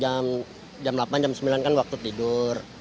jam sepuluh jam sebelas kita waktu jam delapan jam sembilan kan waktu tidur